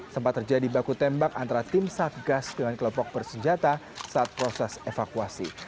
sempat terjadi baku tembak antara tim satgas dengan kelompok bersenjata saat proses evakuasi